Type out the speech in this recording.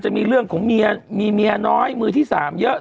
จะมีเรื่องของเมียมีเมียน้อยมือที่๓เยอะ